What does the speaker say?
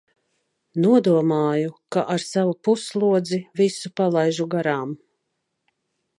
Nodomāju, ka ar savu pusslodzi visu palaižu garām.